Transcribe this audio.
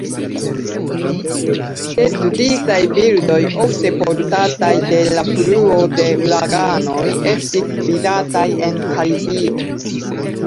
Sed disaj birdoj, ofte portataj de la fluo de uraganoj, estis vidataj en Karibio.